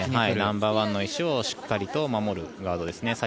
ナンバーワンの石をしっかりと守るガードですね。